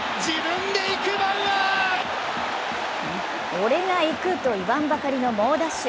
俺が行くといわんばかりの猛ダッシュ。